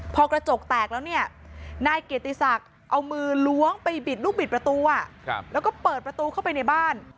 พอกระจกแตกแล้วเนี่ยนายเกียรติศักดิ์เอามือล้วงไปบิดลูกบิดประตูแล้วก็เปิดประตูเข้าไปในบ้าน